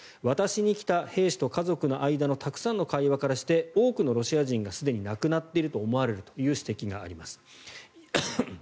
私に来た兵士と家族の間のたくさんの会話からして多くのロシア人がすでに亡くなっていると思われるという指摘があります。